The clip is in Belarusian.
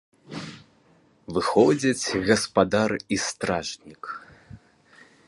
Выходзяць гаспадар і стражнік.